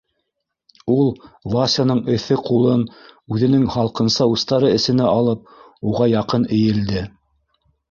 Ул, Васяның эҫе ҡулын үҙенең һалҡынса устары эсенә алып, уға яҡын эйелде.